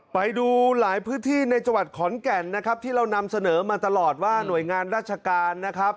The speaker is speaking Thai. ไปดูหลายพื้นที่ในจังหวัดขอนแก่นนะครับที่เรานำเสนอมาตลอดว่าหน่วยงานราชการนะครับ